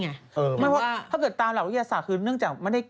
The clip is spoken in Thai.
ถ้าเกิดที่หรือว่าหลัวก็อย่าสาขรึงเนื่องจากกินคลาลาเจน